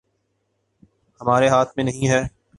ہمارے ہاتھ میں نہیں ہے